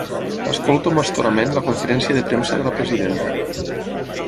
Escolto amb astorament la conferència de premsa de la presidenta.